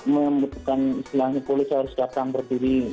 membutuhkan istilahnya polisi harus datang berdiri